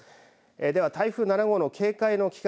では、台風７号の警戒の期間